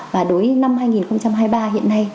và đối với năm hai nghìn hai mươi ba hiện nay